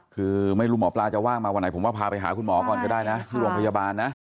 คือไม่รู้หมอปลาจะว่างมาวันไหนผมว่าพาไปหาคุณหมอก่อนก็ได้นะที่โรงพยาบาลนะ